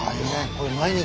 これ毎日。